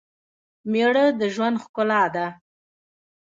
مېړه دژوند ښکلا ده